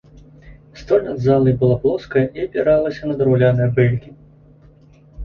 Столь над залай была плоская і апіралася на драўляныя бэлькі.